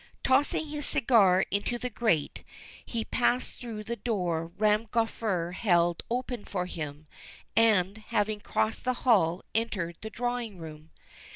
Tossing his cigar into the grate, he passed through the door Ram Gafur held open for him, and, having crossed the hall, entered the drawing room.